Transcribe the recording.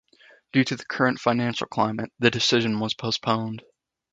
Due to the current financial climate, the decision was postponed.